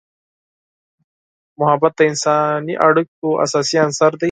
محبت د انسانی اړیکو اساسي عنصر دی.